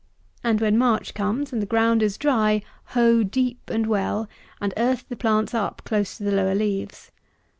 And when March comes, and the ground is dry, hoe deep and well, and earth the plants up close to the lower leaves.